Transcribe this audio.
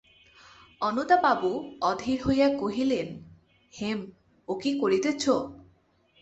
অন্নদাবাবু অধীর হইয়া কহিলেন, হেম, ও কী করিতেছ?